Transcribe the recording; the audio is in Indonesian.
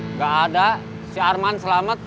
nggak ada si arman selamat